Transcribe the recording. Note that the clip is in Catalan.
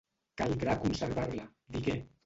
"Caldrà conservar-la", digué.